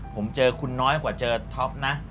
ผมเจอคุณน้อยกว่าเจอท็อปนะ